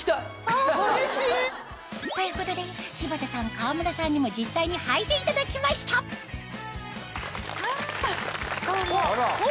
あうれしい！ということで柴田さん川村さんにも実際にはいていただきましたあら！